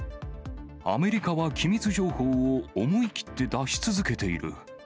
アメリカは機密情報を思い切って出し続けている。